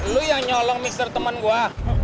lo yang nyolong mister temen gua